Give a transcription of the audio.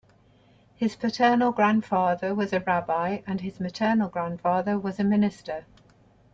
His paternal grandfather was a rabbi and his maternal grandfather was a minister.